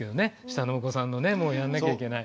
下のお子さんのもやんなきゃいけない。